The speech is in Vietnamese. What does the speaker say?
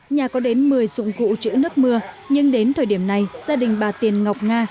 nhà có đến một mươi dụng cụ chữa nước mưa nhưng đến thời điểm này gia đình bà tiền ngọc nga